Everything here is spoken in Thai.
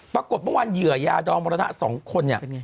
ปรากฏเมื่อวานเหยื่อยาดองมรณะ๒คนเนี่ย